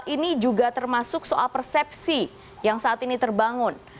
ini juga termasuk soal persepsi yang saat ini terbangun